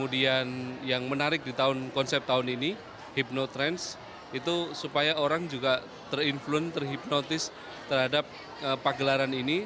dan yang menarik di konsep tahun ini hypnotrans itu supaya orang juga terinfluen terhipnotis terhadap pagelaran ini